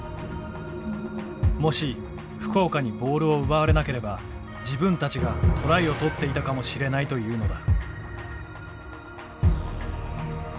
もし福岡にボールを奪われなければ自分たちがトライをとっていたかもしれないというのだ。